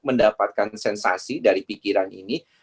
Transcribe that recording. mendapatkan sensasi dari pikiran ini